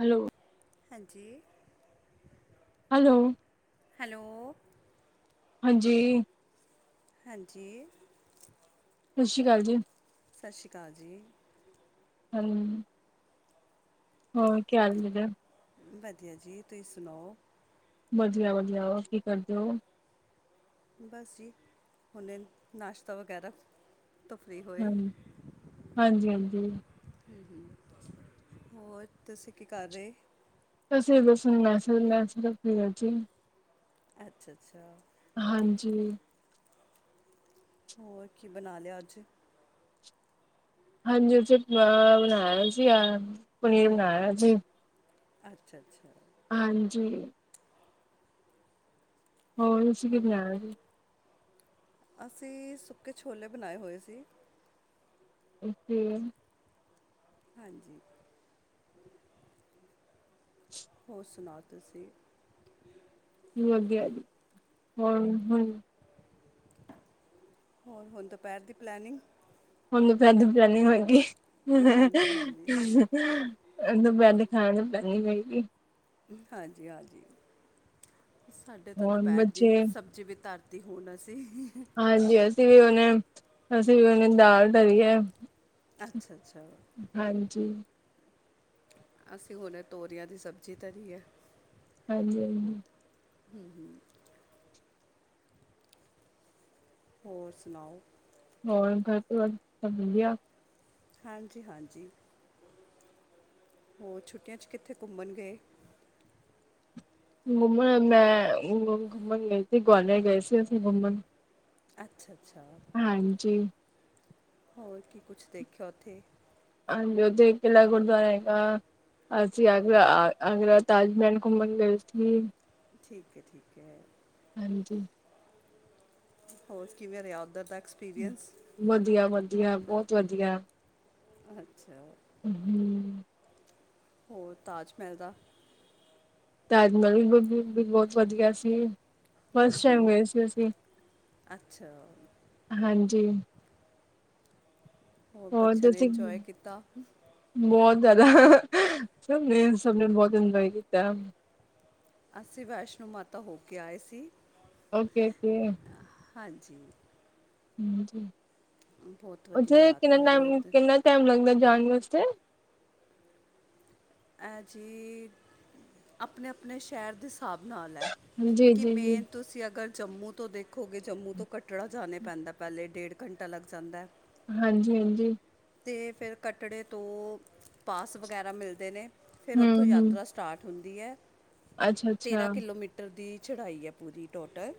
Hello. ਹਾਂਜੀ। Hello. Hello. ਹਾਂਜੀ। ਹਾਂਜੀ। ਸਤਿ ਸ਼੍ਰੀ ਅਕਾਲ ਜੀ। ਸਤਿ ਸ਼੍ਰੀ ਅਕਾਲ ਜੀ। ਹੈਲੋ। ਹੋਰ ਕੀ ਹਾਲ ਦਾ। ਵਧੀਆ ਜੀ ਤੁਸੀਂ ਸੁਣਾਓ। ਵਧੀਆ ਵਧੀਆ ਹੋਰ ਕੀ ਕਰਦੇ ਹੋ? ਬਸ ਜੀ। ਹੁਣੇ ਨਾਸ਼ਤਾ ਵਗੈਰਾ ਤੋਂ ਫ੍ਰੀ ਹਾਂ ਹੋਏ ਹਾਂਜੀ ਹਾਂਜੀ। ਹੂੰ ਹੂੰ। ਹੋਰ ਤੁਸੀਂ ਕੀ ਕਰ ਰਹੇ? ਆਸੀ ਬਸ ਲਹਸੂਨ-ਲਹਸੂਨ ਛਿਲ ਰਿਹੇ ਸੀ। ਅੱਛਾ ਅੱਛਾ। ਹਾਂਜੀ ਹੋਰ ਕੀ ਬਣਾ ਲਿਆ ਅੱਜ ਹਾਂਜੀ ਉੱਥੇ ਪੋਹਾ ਬਣਾਇਆ ਸੀ, ਪਨੀਰ ਬਣਾਇਆ ਜੀ ਅੱਛਾ, ਅੱਛਾ। ਹਾਂਜੀ, ਹੋ ਤੁਸੀ ਕੀ ਹੋ ਬਣਾਇਆ ਸੀ ਅਸੀਂ ਸੁੱਕੇ ਛੋਲੇ ਬਣਾਏ ਹੋਏ ਸੀ ਜੀ ਹਾਂਜੀ [inaudible] ਹੋਰ ਸੁਣਾੳ ਤੁਸੀ? ਵਧੀਆ ਜੀ, ਹੋਰ ਹਾਂ ਹੋਰ, ਹੁਣ ਦੁਪਹਿਰ ਦੀ ਪਲੈਨਿੰਗ ਹਾਂਜੀ ਹਾਂਜੀ [unintelligible] [unintelligible] ਹਾਂਜੀ- ਹਾਂਜੀ, ਸਾਡੇ ਤਾਂ ਹੋਰ ਦੁਪਹਿਰ ਦੀ ਬੱਚੇ ਸਬਜ਼ੀ ਵੀ ਧਰ, ਧਰਤੀ ਤੇ ਹੁਣ ਅਸੀਂ ਹਾਂਜੀ ਅਸੀਂ ਵੀ ਹੁਣੇ, ਅਸੀਂ ਵੀ ਹੁਣੇ ਦਾਲ ਧਰੀ ਹੈ ਅੱਛਾ, ਅੱਛਾ ਹਾਂਜੀ ਅਸੀਂ ਹੁਣੇ ਤੋਰੀਆਂ ਦੀ ਸਬਜ਼ੀ ਧਰੀ ਹੈ। ਹਾਂਜੀ-ਹਾਂਜੀ ਹਮ, ਹਮ ਹੋਰ ਸੁਣਾਓ? ਹੋਰ ਘਰ ਸਭ ਵਧੀਆ ਹਾਂਜੀ- ਹਾਂਜੀ। ਹੋਰ ਛੁੱਟੀਆਂ 'ਚ ਕਿੱਥੇ ਘੁੰਮਣ ਗਏ? ਘੁੰਮਣ ਮੈਂ, ਘੁੰਮਣ ਗਈ ਸੀ ਗਵਾਲੀਅਰ ਗਏ ਸੀ ਅਸੀਂ ਘੁੰਮਣ। ਅੱਛਾ, ਅੱਛਾ। ਹਾਂਜੀ। ਹੋਰ ਕੀ ਕੁਛ ਦੇਖਿਆ ਉੱਥੇ ਹਾਂਜੀ ਉੱਥੇ ਕਿਲ੍ਹਾ ਗੁਰਦੁਆਰਾ ਹੈਗਾ ਅਸੀਂ ਆਗਰਾ, ਆਗਰਾ ਤਾਜ ਮਹਿਲ ਘੁੰਮਣ ਗਏ ਸੀ। ਠੀਕ ਹੈ-ਠੀਕ ਹੈ ਹਾਂਜੀ ਹੋਰ ਕਿਵੇਂ ਰਿਹਾ ਉੱਧਰ ਦਾ ਐ ਵਧੀਆ-ਵਧੀਆ ਬਹੁਤ ਵਧੀਆ। ਅੱਛਾ। ਅਹਮ ਹੋਰ ਤਾਜ ਮਹਿਲ ਦਾ ਤਾਜ ਮਹਿਲ ਬਹੁਤ ਵਧੀਆ ਸੀ। ਫਸਟ ਟਾਈਮ ਗਏ ਸੀ ਅਸੀਂ, ਅੱਛਾ ਹਾਂਜੀ ਹੋਰ ਬੱਚਿਆਂ ਨੇ ਇੰਜੋਏ ਕੀਤਾ। ਬਹੁਤ ਜ਼ਿਆਦਾ, ਸਭ ਨੇ ਸਭ ਨੇ ਬਹੁਤ ਇੰਜੋਏ ਕੀਤਾ ਅਸੀਂ ਵੈਸ਼ਨੋ ਮਾਤਾ ਹੋ ਕੇ ਆਏ ਸੀ। Okay- okay. ਹਾਂਜੀ। ਹ ਬਹੁਤ ਵਧੀਆ ਉੱਥੇ ਕਿੰਨਾ ਯਾਤਰਾ ਰਹੀ ਟਾਈਮ, ਉੱਧਰ ਕਿੰਨਾ ਟਾਈਮ ਲੱਗਦਾ ਜਾਣ ਵਾਸਤੇ ਐ ਜੀ ਆਪਣੇ-ਆਪਣੇ ਸ਼ਹਿਰ ਦੇ ਹਿਸਾਬ ਨਾਲ ਹੈ, ਜੀ ਕਿ ਜੀ ਜੀ ਮੇਨ ਤੁਸੀਂ ਅਗਰ ਜੰਮੂ ਤੋਂ ਦੇਖੋਗੇ ਜੰਮੂ ਤੋਂ ਕਟੜਾ ਜਾਣਾ ਪੈਂਦਾ, ਪਹਿਲੇ ਡੇਢ ਘੰਟਾ ਲੱਗ ਜਾਂਦੈ। ਹਾਂਜੀ-ਹਾਂਜੀ। ਤੇ ਫਿਰ ਕੱਟੜੇ ਤੋਂ ਪਾਸ ਵਗੈਰਾ ਮਿਲਦੇ ਨੇ, ਫੇਰ ਹੂੰ ਉੱਥੋਂ ਹੂੰ ਯਾਤਰਾ ਸਟਾਟ ਹੁੰਦੀ ਐ, ਅੱਛਾ ਤੇਰ੍ਹਾਂ ਅੱਛਾ ਕਿਲੋਮੀਟਰ ਦੀ ਚੜ੍ਹਾਈ ਐ ਪੂਰੀ ਟੋਟਲ।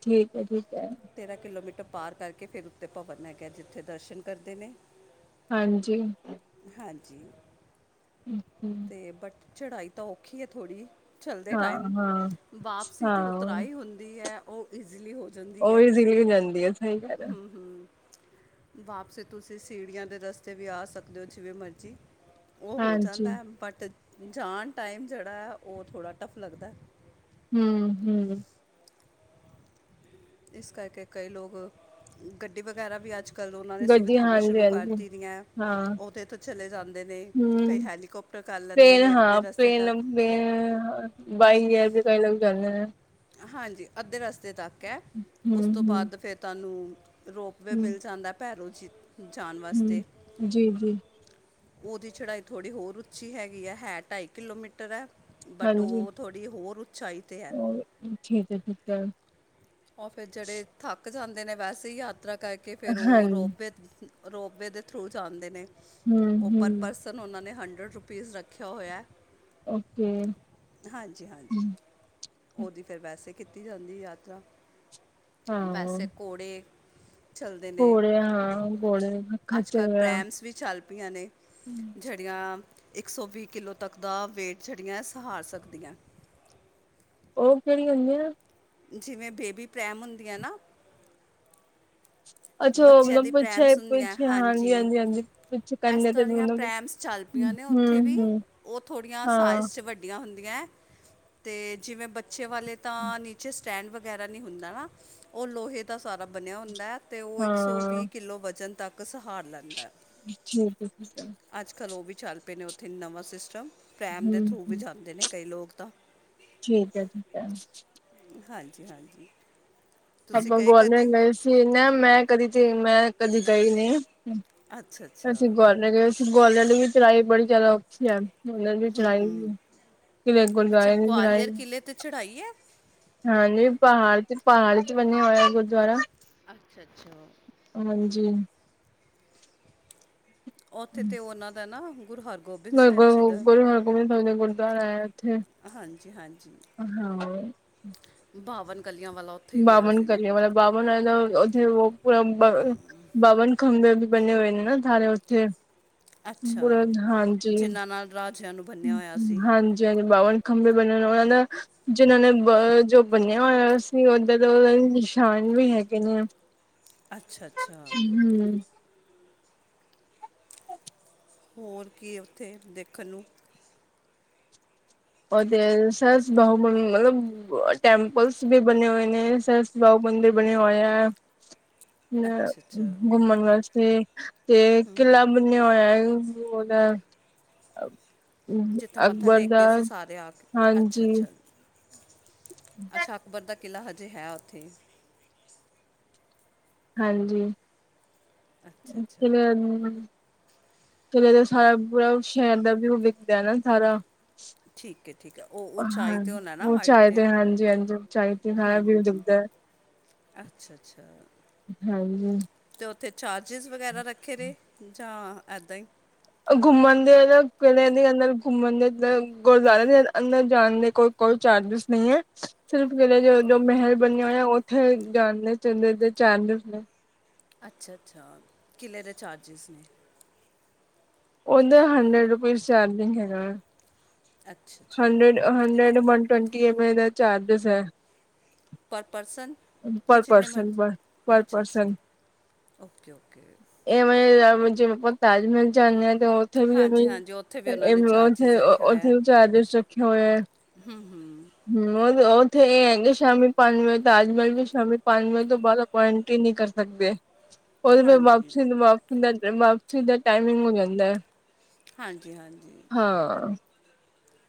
ਠੀਕ ਐ-ਠੀਕ ਐ। ਤੇਰ੍ਹਾਂ ਕਿਲੋਮੀਟਰ ਪਾਰ ਕਰਕੇ ਫੇਰ ਉੱਤੇ ਭਵਨ ਹੈ ਗਿਆ, ਜਿੱਥੇ ਦਰਸ਼ਨ ਕਰਦੇ ਨੇ। ਹਾਂਜੀ। ਹਾਂਜੀ [unintelligible] ਤੇ ਬਟ ਚੜ੍ਹਾਈ ਤਾਂ ਔਖੀ ਐ ਥੋੜ੍ਹੀ। ਚੱਲਦੇ ਹਾਂ ਟਾਈਮ ਹਾਂ ਵਾਪਸੀ ਤੇ ਹਾਂ ਉਤਰਾਈ ਹੁੰਦੀ ਐ, ਓਹ ਈਜ਼ਲੀ ਹੋ ਜਾਂਦੀ ਉਹ ਐ, ਇਜ਼ੀਲੀ ਹੋ ਜਾਂਦੀ ਹੈ ਸਹੀ ਗੱਲ ਹੈ ਹੂੰ-ਹੂੰ ਵਾਪਸੀ ਤੁਸੀਂ ਸੀੜੀਆਂ ਦੇ ਰਸਤੇ ਵੀ ਆ ਸਕਦੇ ਹੋ, ਜਿਵੇਂ ਮਰਜ਼ੀ ਉਹ ਹੋ ਹਾਂਜੀ ਜਾਂਦਾ ਹੈ ਬਟ ਜਾਣ ਟਾਈਮ ਜਿਹੜਾ ਐ, ਉਹ ਥੋੜਾ ਟਫ ਲੱਗਦਾ। ਹੂੰ-ਹੂੰ ਇਸ ਕਰਕੇ ਕਈ ਲੋਕ, ਗੱਡੀ ਵਗੈਰਾ ਵੀ ਅੱਜ ਕੱਲ ਉਹਨਾਂ ਨੇ ਗੱਡੀ ਸੁਵਿਧਾਵਾਂ ਹਾਂਜੀ ਸ਼ੁਰੂ ਹਾਂਜੀ ਕਰਤੀ ਦੀਆਂ। ਹਾਂ ਉਹ ਤੇ ਏਥੋਂ ਚਲੇ ਜਾਂਦੇ ਨੇ, ਕਈ ਹੂੰ ਹੈਲੀਕੋਪਟਰ ਕਰ ਲੈਂਦੇ ਨੇ ਅੱਧੇ ਰਸਤੇ ਤੱਕ। ਮੈਂ ਬਾਈ ਏਅਰ ਵੀ ਕਈ ਲੋਕ ਜਾਂਦੇ ਨੇ ਨਾ। ਹਾਂਜੀ, ਅੱਧੇ ਰਸਤੇ ਤੱਕ ਐ, ਹੂੰ, ਉਸ ਤੋਂ ਹੂੰ, ਬਾਅਦ ਫਿਰ ਤੁਹਾਨੂੰ ਰੋਪਵੇ ਹੂੰ, ਮਿਲ ਜਾਂਦਾ, ਭੈਰੋਂ ਜੀ ਜਾਣ ਵਾਸਤੇ। ਹੂੰ। ਜੀ, ਜੀ, ਉਹਦੀ ਚੜਾਈ ਥੋੜ੍ਹੀ ਹੋਰ ਉੱਚੀ ਹੈਗੀ ਐ, ਹੈ ਢਾਈ ਕਿਲੋਮੀਟਰ ਐ। ਬਟ ਹਾਂਜੀ ਉਹ ਥੋੜ੍ਹੀ ਹੋਰ ਉਚਾਈ ਤੇ ਐ। ਔਰ ਠੀਕ ਐ-ਠੀਕ ਐ। ਓਹ ਫੇਰ ਜੇੜੇ ਥੱਕ ਜਾਂਦੇ ਨੇ ਵੈਸੇ ਈ ਯਾਤਰਾ ਕਰਕੇ, ਫਿਰ ਹਾਂ, ਓਹ ਰੋਪਵੇ ਰੋਪਵੇ ਦੇ ਥਰੂ ਜਾਂਦੇ ਨੇ, ਹੂੰ, ਉਹ ਹੂੰ, ਪਰਪਸ ਲੇਕਿਨ ਉਹਨਾਂ ਨੇ ਹੰਡਰਡ ਰੁਪੀਜ਼ ਰੱਖਿਆ ਹੋਇਆ। ਓਕੇ, ਹਾਂਜੀ-ਹਾਂਜੀ। ਹੂੰ, ਉਹਦੀ ਫੇਰ ਵੈਸੇ ਕੀਤੀ ਜਾਂਦੀ ਯਾਤਰਾ, ਹਾਂ। ਵੈਸੇ ਘੋੜੇ ਚੱਲਦੇ ਨੇ, ਘੋੜੇ ਹਾਂ, ਘੋੜੇ ਅੱਜ-ਕੱਲ੍ਹ ਖੱਚਰ ਪ੍ਰੈਮਸ ਵੀ ਚੱਲ ਪਈਆਂ ਨੇ। ਜਿਹੜੀਆਂ ਇੱਕ ਸੌ ਵੀਹ ਕਿੱਲੋ ਤੱਕ ਦਾ ਵੇਟ, ਜਿਹੜੀਆਂ ਸਹਾਰ ਸਕਦੀਆਂ। ਓਹ ਕਿਹੜੀ ਹੁੰਦੀ ਐ। ਜਿਵੇਂ ਬੇਬੀ ਪਰੈਮ ਹੁੰਦੀਆਂ ਨਾ। ਅੱਛਾ ਉਹ ਬੱਚਿਆਂ ਦੀ ਮਤਲਬ ਪਿੱਛੇ, ਪ੍ਰੈਮਸ ਹੁੰਦੀਆਂ, ਪਿੱਛੇ ਹਾਂਜੀ ਹਾਂਜੀ ਪਿੱਛੇ ਇਸ ਕੰਨੇ ਤੇ ਤਰ੍ਹਾਂ ਦੀਆਂ ਮਤਲਬ ਪ੍ਰੈਮਸ ਚੱਲ ਪਈਆਂ ਹੂੰ, ਨੇ ਉੱਥੇ ਵੀ, ਹੂੰ, ਉਹ ਥੋੜੀਆਂ ਹਾਂ, ਸਾਈਜ਼ ਚ ਵੱਡ ਵੱਡੀਆਂ ਹੁੰਦੀਐ, ਤੇ ਜਿਵੇਂ ਬੱਚੇ ਵਾਲੇ ਤਾਂ ਨੀਚੇ ਸਟੈਂਡ ਵ ਵਗੈਰਾ ਨਹੀਂ ਹੁੰਦਾ ਨਾ, ਉਹ ਲੋਹੇ ਦਾ ਸਾਰਾ ਬਣਿਆ ਹੁੰਦਾ, ਤੇ ਉਹ ਇੱਕ ਸੌ ਹਾਂ ਵੀਹ ਕਿੱਲੋ ਵਜ਼ਨ ਤੱਕ ਸਹਾਰ ਲੈਂਦਾ। [inaudible] ਅੱਜ-ਕੱਲ੍ਹ ਉਹ ਵੀ ਚੱਲ ਪਏ ਨੇ, ਉੱਥੇ ਨਵਾਂ ਸਿਸਟਮ ਪਰੈਮ ਦੇ ਹੂੰ, ਥਰੂ ਵੀ ਹੂੰ, ਜਾਂਦੇ ਨੇ, ਕਈ ਲੋਕ ਤਾਂ। ਠੀਕ ਐ-ਠੀਕ ਐ। ਹਾਂਜੀ-ਹਾਂਜੀ। ਆਪਾਂ ਗੋਲਮੈਟ ਸੀ, ਨਾ ਮੈਂ ਕਦੀ ਤੇ, ਮੈਂ ਕਦੀ ਗਈ ਨਈ। ਅੱਛਾ ਅਸੀ ਅੱਛਾ ਗੋਲਮੈਟ ਗਏ ਗੌਲਮੈਟ ਵੀ ਚਲਾਏ, ਬੜੀ ਜ਼ਿਆਦਾ ਔਖੀ ਐ। ਮੁੱਲਰ ਵੀ ਚੜਾਈ ਈ ਐ, ਕਿ ਅੱਛਾ ਗੁਰਦੁਆਰੇ ਵੀ ਚੜਾਈ। ਗਵਾਲੀਅਰ ਕਿਲੇ ਤੇ ਚੜ੍ਹਾਈ ਹੈ ਹਾਂਜੀ ਪਹਾੜ ਚ, ਪਹਾੜ ਚ ਬਣਿਆ ਹੋਇਆ ਗੁਰਦੁਆਰਾ। ਅੱਛਾ-ਅੱਛਾ। ਹਾਂਜੀ ਉੱਥੇ ਤੇ ਉਹਨਾਂ ਦਾ ਨਾ ਗੁਰੂ ਹਰ ਗੁਰੂ ਹਰਗੋਬਿੰਦ ਸਾਹਿਬ ਦੇ ਗੁਰਦੁਆਰਾ ਹੈ ਉੱਥੇ। ਹਾਂਜੀ-ਹਾਂਜੀ, ਹਾਂ ਬਾਵਨ ਕਲੀਆਂ ਵਾਲਾ ਉੱਥੇ ਹੀ ਹੋਇਆ ਬਾਵਨ ਸੀ ਨਾ ਕਰੀਏ, ਮਤਬ ਬਾਵਨ ਉਹ-ਉਹ ਬਵਨ ਖੰਭੇ ਵੀ ਬਣੇ ਹੋਏ ਨੇ ਨਾ [unintelligible] ਉੱਥੇ? ਪੂਰਾ ਅੱਛਾ, ਹਾਂਜੀ ਜਿਨ੍ਹਾਂ ਨਾਲ ਰਾਜਿਆਂ ਨੂੰ ਬੰਨਿਆ ਹੋਇਆ ਸੀ। ਜ' ਬਾਵਨ ਖੰਬੇ ਬਣ ਉਹਨਾਂ ਦਾ ਜਿਹਨਾਂ ਨੇ ਬ ਜੋ ਬੰਨਿਆ ਹੋਇਆ ਅ ਸੀ, ਓਦਾਂ ਦੇ ਉਹਨਾਂ ਦੇ ਨਿਸ਼ਾਨ ਵੀ ਹੈਗੇ ਨੇ। [unintelligible] ਅੱਛਾ-ਅੱਛਾ ਹਮ ਹੋਰ ਕੀ ਉੱਥੇ ਦੇਖਣ ਨੂੰ? ਓਦੇ ਸਰ, ਬੋਹ ਮਤਲਬ ਟੈਂਪਲਸ ਵੀ ਬਣੇ ਹੋਏ ਨੇ ਸਰ [unintelligible] ਮੰਦਿਰ ਬਣੇ ਹੋਏਆ ਹੈ। ਅ' ਅੱਛਾ ਅੱਛਾ ਘੁੰਮਣ ਵਾਸਤੇ ਤੇ' ਕਿਲਾ [unintelligible] [inaudible] ਜਿੱਥੇ ਮੱਥਾ [unintelligible] ਹਾਂਜੀ ਅੱਛਾ ਅੱਛਾ, ਅਕਬਰ ਦਾ ਕਿਲ੍ਹਾ ਹਜੇ ਹੈ ਉੱਥੇ ਹਾਂਜੀ, ਅੱਛਾ ਅੱਛਾ ਕਿਵੇਂ [unintelligible] [unintelligible] ਕਿਲੇ ਤੋ ਸਾਰਾ, ਪੂਰਾ ਸ਼ੈਰ ਦਾ ਵੀੳ ਵਿਖਦਾ ਨਾ ਸਾਰਾ। ਠੀਕ ਠੀਕ ਹੈ। ਉਹ ਉਚਾਈ ਹਾਂ ਤੇ ਹੁਨਾ ਨਾ, ਹਾਈਟ ਉਚਾਈ ਤੇ ਹਾਂਜੀ ਹਾਂਜੀ ਉਚਾਈ ਤੇ ਸਾਰਾ ਵਿਊ ਹਮ-ਹਮ-ਹ-ਹ ਦਿਖਦਾ ਹੈ, ਅੱਛਾ-ਅੱਛਾ। ਹਾਂਜੀ। ਤੇ ਔਥੇ ਚਾਰਜਿਸ ਵਗੈਰਾ ਰੱਖੇ ਨੇ, ਜਾਂ ਐਦਾਂ ਈ। ਘੁੰਮਣ ਦੇ ਕਹਿੰਦੇ ਅੰਦਰ ਘੁੰਮਣ ਦੇ, ਗੁਰਦੁਰੇ ਦੇ ਅੰਦਰ ਜਾਣ ਦੇ ਕੋਈ ਕੋਈ ਚਾਰਜਿਸ ਨਈ ਏ। ਸਿਰਫ ਕਿਲੇ ਜੋ ਜੋ ਮਹਿਲ ਬਣਿਆ ਹੋਇਆ, ਓਥੇ ਜਾਣਦੇ ਚਾਰਜਿਸ ਨੇ। ਅੱਛਾ-ਅੱਛਾ ਕਿਲੇ ਦੇ ਚਾਰਜਿਸ ਨੇ? ਓਦਾ ਹੰਡਰੇਡ ਰੁਪੀਸ ਚਾਰਜਿੰਗ ਹੈਗਾ ਐ। ਅੱਛਾ ਅੱਛਾ ਹੰਡਡ ਹੰਡਰਡ ਵਨ ਟਵੰਟੀ ਐਵੇ ਏ ਦਾ ਚਾਰਜਿਸ ਐ। ਪਰ ਪਰਸਨ ਕਿ ਜਿੰਨੇ ਮਰਜੀ ਪਰ ਪਰ ਅੱਛਾ, ਅੱਛਾ ਪਰਸਨ ਓਕੇ ਓਕੇ। ਇਹ ਮੈਂ- [inaudible] ਤਾਜ ਮਹਿਲ ਜਾਂਦੇ ਹਾਂ ਤੇ ਉੱਥੇ ਵੀ ਹਾਂਜੀ ਹਾਂਜੀ ਉੱਥੇ ਵੀ ਉਹਨਾਂ ਨੇ ਚਾਰਜਸ ਰੱਖਿਆ ਹੋਇਆ ਹੈ ਉੱਥੇ-ਉੱਥੇ। ਚਾਰਜ ਰੱਖੇ ਹੋਏਆ, ਹੂੰ ਉਹ ਉੱਥੇ ਇਹ ਹੈਗੇ ਸ਼ਾਮੀ ਪੰਜ ਵਜੇ- ਤਾਜ ਮਹਿਲ ਵੀ ਸ਼ਾਮੀ ਪੰਜ ਵਜੇ ਤੋਂ ਬਾਅਦ ਅਪੁਆਇੰਟ ਹੀ ਨਹੀਂ ਕਰ ਸਕਦੇ। ਉਹਦੇ ਫੇਰ ਹਾਂਜੀ ਵਾਪਸ, ਵਾਪ ਦਾ ਵਾਪਸੀ ਦਾ ਟਾਈਮਿੰਗ ਹੋ ਜਾਂਦਾ ਹੈ। ਹਾਂਜੀ ਹਾਂਜੀ। ਹਾਂ।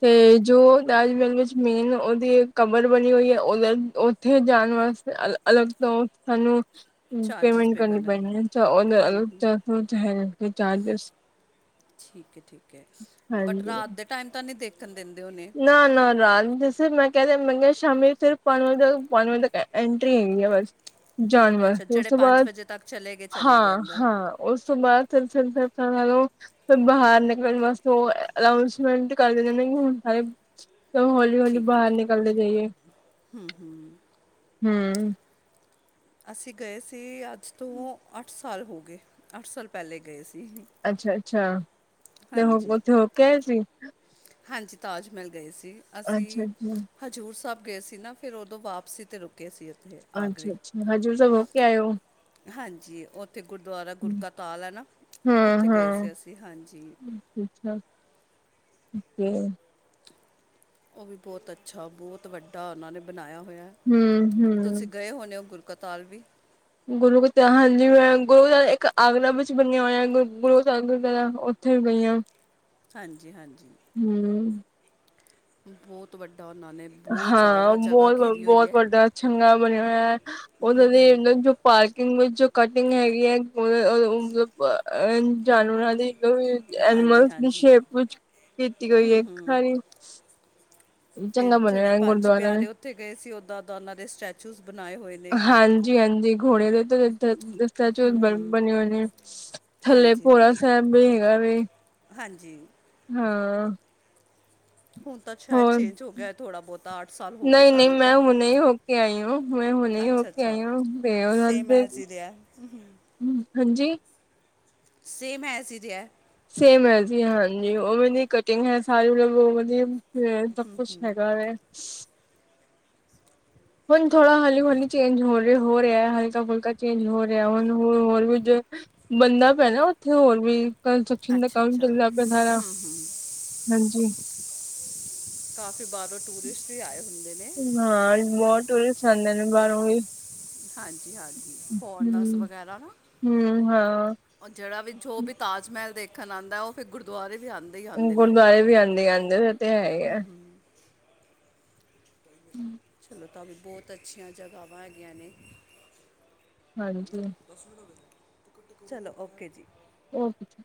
ਤੇ ਜੋ ਤਾਜ ਮਹਿਲ ਵਿੱਚ ਮੇਨ ਉਹਦੀ ਕਬਰ ਬਣੀ ਹੋਈ ਹੈ। ਉਹਦੇ ਓੁਹ ਉੱਥੇ ਜਾਣ ਵਾਸਤ ਅਲੱਗ ਤੋਂ ਸਾਨੂੰ- ਚਾਰਜਸ ਪੇਮੈਂਟ ਪੇ ਕਰਨੀ ਕਰਨੇ ਪੈਣੀ ਐ। ਪੈਂਦੇ ੳਹਦੇ ਅਲਗ ਚਾਰਜਿਸ। ਠੀਕ ਹੈ, ਠੀਕ ਹੈ। ਬਟ ਰਾਤ ਦੇ ਟਾਈਮ ਤਾਂ ਨਹੀਂ ਦੇਖਣ ਦਿੰਦੇ ਹੋਣੇ। ਨਾ ਨਾ ਰਾਤ ਜੇ ਮੈਂ ਕਿਹਾ ਮੈਂ ਕਿਹਾ ਸ਼ਾਮੀ ਸਿਰਫ ਪੰਜ ਵਜੇ ਤੱਕ ਐਂਟਰੀ ਹੀ ਨਹੀਂ ਹੈ ਬਸ। ਜਾਨਵਰ, ਅੱਛਾ ਓਸ ਜਿਹੜੇ ਤੋਂ ਬਾਦ ਵਜੇ ਤੱਕ ਚਲੇ ਗਏ ਚਲੇ ਗਏ ਹਾਂ ਅੰਦਰ ਹਾਂ। ਉਸ ਤੋਂ ਬਾਅਦ ਫਿਰ ਸਿਰਦਰਦਾਂ ਨਾਲੋਂ ਤੇ ਬਾਹਰ ਨਿਕਲਣ ਵਾਸਤੇ ਓ ਅਨਾਊਸਮੈਂਟ ਕਰ ਦਿੰਦੇ ਨੇ, ਹੁਣ ਸਾਰੇ ਹੋਲੀ- ਹੌਲੀ ਠੀਕ ਹੈ ਬਾਹਰ ਠੀਕ ਨਿਕਲਦੇ ਜਾਈਏ, ਹੂੰ। ਅਸੀਂ ਗਏ ਸੀ, ਅੱਜ ਤੋਂ ਅੱਠ ਸਾਲ ਹੋ ਗਏ, ਅੱਠ ਸਾਲ ਪਹਿਲੇ ਗਏ ਸੀ। ਅੱਛਾ-ਅੱਛਾ, ਤੇ ਉਹ ਹਾਂਜੀ ਉੱਥੇ ਹੋਕੇ ਆਏ ਸੀ? ਹਾਂਜੀ ਤਾਜ ਮਹਿਲ ਗਏ ਸੀ। ਅਸੀਂ ਅੱਛਾ-ਅੱਛਾ, ਹਜ਼ੂਰ ਸਾਬ ਗਏ ਸੀ ਨਾ, ਫੇਰ ਉਦੋਂ ਵਾਪਸੀ ਤੇ ਰੁਕੇ ਸੀੇ। ਅੱਛਾ-ਅੱਛਾ, ਹਜੂਰ ਸਾਹਿਬ ਹੋ ਕੇ ਆਏ ਹੋ? ਹਾਂਜੀ। ਓਥੇ ਗੁਰਦੁਆਰਾ ਗੁਰ ਕਾ ਤਾਲ ਐਨਾ। ਔਥੇ ਗਏ ਹਾਂ-ਹਾਂ ਸੀ ਅਸੀ। ਹਾਂਜੀ। ਅੱਛਾ, ਓਕੇ। ਉਹ ਵੀ ਬਹੁਤ ਅੱਛਾ ਬਹੁਤ ਵੱਡਾ ਉਹਨਾਂ ਨੇ ਬਣਾਇਆ ਹੋਇਆ। ਤੁਸੀਂ ਹੂੰ-ਹੂੰ ਗਏ ਹੋਣੇ ਗੁਰਕਤਾਲ ਵੀ? ਗੁਰੂ ਹਾਂਜੀ, ਮੈਂ ਗੁਰੂ ਦਾ ਇੱਕ ਆਗਰਾ ਵਿੱਚ ਬਣਿਆ ਹੋਇਆ ਗੁਰੂ ਦਾ ਗੁਰਦੁਆਰਾ ਓ ੳਥੇ ਵੀ ਗਈ ਆਂ। ਹਾਂਜੀ ਹਾਂਜੀ। ਹਮ, ਹਮ। ਬੋਤ ਵੱਡਾ ਔਨਾਂ ਨੇ ਬਹੁਤ ਹਾਂ ਜ਼ਿਆਦਾ ਜਗ੍ਹਾ ਘੇਰੀ ਹੋਈ ਬਹੁਤ-ਬਹੁਤ ਹੈ ਵੱਡਾ ਚੰਗਾ ਬਣਿਆ ਹੋਇਆ ਉਹਨਾਂ ਦੇ ਜੋ ਪਾਰਕ- ਜੋ ਕਟਿੰਗ ਹੈਗੀ ਹੈ ਮਤਲਬ ਜਾਨਵਰਾਂ ਦੀ। ਹਾਂਜੀ ਐਨੀਮਲਸ ਦੀ ਹਾਂਜੀ ਸ਼ੇਪ ਵਿਚ ਕੀਤੀ ਹੋਈ ਏ ਇਕ। ਫੇਰ ਜੇਹੜੇ ਪੰਜ ਗੁਰਦੁਆਰਾ ਵੀ ਪਿਆਰੇ ਔਥੇ ਗਏ ਸੀ ਓਦਾਂਦਾਂ ਔਨਾਂ ਦੇ ਸਟੈਚੂ ਬਣਾਏ ਹੋਏ ਨੇ। ਜੀ ਹਾਂਜੀ ਘੋੜੇ ਦੇ। ਸ ਸਟੈਚੂ ਬ ਬਣੇ ਹੋਏ ਨੇ, ਥੱਲੇ ਹਾਂਜੀ ਭੋਰਾ ਹਾਂਜੀ ਸਾਹਿਬ ਵੀ ਹੈਗਾ ਵੇ। ਹਾਂਜੀ। ਹਾਂ। ਹੁਣ ਤਾਂ ਸ਼ਾਇਦ ਚੇਂਜ ਹੋ ਗਿਆ ਥੋੜ੍ਹਾ ਬੋਤਾ ਅੱਠ ਸਾਲ ਹੋ ਗਏ ਨਹੀਂ-ਨਹੀਂ ਸਾਨੂੰ ਤਾਂ ਮੈਂ ਹੁਣੇ ਹੋ ਕੇ ਆਈ ਹੁ, ਮੈਂ ਹੁਣੇ ਹੀ ਹੋ ਕੇ ਆਈ ਹੁ। ਸੇਅ ਮਜਿਆ ਰਿਹਾ। ਹਾਂਜੀ। ਸੇਮ ਐਸ ਈ ਹੇਹਾ ਐ। ਸੇਮ ਹੈ ਜੀ ਹਾਂਜੀ ਉਹਵੇਂ ਕਟਿੰਗ ਹੈ। ਸਾਰੀ ਮਤਲਬ- ਨਹੀ, ਸਭ ਕੁਛ ਹੈਗਾ ਵੇ। ਹੁਣ ਥੋੜਾ ਹਲੀ-ਹੌਲੀ ਚੇਂਜ ਹੋ ਰਿਹਾ ਹਲਕਾ-ਫੁਲਕਾ ਚੇਂਜ ਹੋ ਰਿਹਾ। ਹੁਣ ਹੋ ਹੋਰ ਵੀ ਬਣਨਾ ਪੈਣਾ ਉੱਥੇ ਹੋਰ ਵੀ ਕੰਸਟਰਕਸ਼ਨ ਦਾ ਅੱਛਾ ਕੰਮ ਅੱਛਾ ਚੱਲਦਾ ਪਿਆ ਸਾਰਾ। ਹਾਂਜੀ। ਕਾਫੀ ਬਾਹਰੋਂ ਟੂਰਿਸਟ ਵੀ ਆਏ ਹੁੰਦੇ ਨੇ। ਹਾਂ ਬਹੁਤ। ਟੂਰਿਸਟ ਆਂਦੇ ਨੇ ਬਾਰੋਂ ਵੀ। ਹਾਂਜੀ-ਹਾਂਜੀ ਫੋਰਨਸ ਹੂੰ ਵਗੈਰਾ ਨਾ। ਹੂੰ ਹਾਂ। ਜਿਹੜਾ ਵੀ ਜੋ ਵੀ ਤਾਜ ਮਹਿਲ ਦੇਖਣ ਆਉਂਦਾ, ਉਹ ਫਿਰ ਗੁਰਦੁਆਰੇ ਵੀ ਆਉਂਦਾ। ਦੇ ਈ ਆਂਦੇ ਨੇ। ਗੁਰਦੁਆਰੇ ਵੀ ਆਂਦੇ ਆਂਦੇ ਉਹ ਤੇ ਹੈ ਹੀ ਆ ਹੂੰ ਹੂੰ। ਹੂ। ਚਲੋ ਤਾਂ ਵੀ ਬੋਤ ਅੱਛੀਆਂ ਜਗ੍ਹਾਵਾਂ ਹੈਗੀਆਂ ਨੇ। ਹਾਂਜੀ। ਚਲੋ ਓਕੇ ਜੀ। ਓਕੇ।